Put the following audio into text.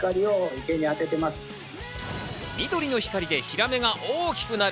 緑の光でヒラメが大きくなる。